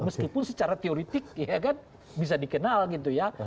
meskipun secara teoretik ya kan bisa dikenal gitu ya